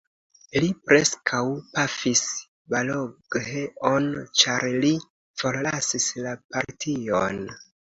Li preskaŭ pafis Balogh-on, ĉar li forlasis la partion.